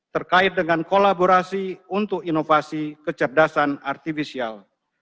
terkait dengan kolaborasi untuk inovasi kecerdasan artifisial